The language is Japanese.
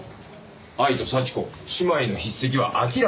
愛と幸子姉妹の筆跡は明らかに違っていた。